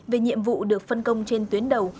về nhiệm vụ được phân công trên tuyến đầu